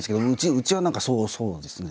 うちは何かそうですね。